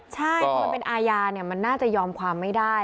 ใช่พอมันเป็นอาญามันน่าจะยอมความไม่ได้